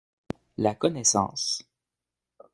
La connaissance.